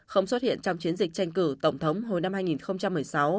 không xuất hiện trong chiến dịch tranh cử tổng thống hồi năm hai nghìn một mươi sáu